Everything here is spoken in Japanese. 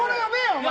お前。